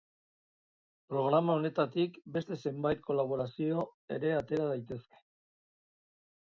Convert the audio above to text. Programa honetatik beste zenbait kolaborazio ere atera daitezke.